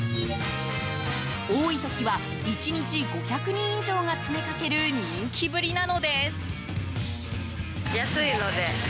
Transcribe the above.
多い時は１日５００人以上が詰めかける人気ぶりなのです。